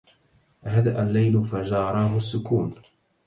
هدأ الليل فجاراه السكون